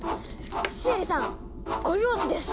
シエリさん５拍子です！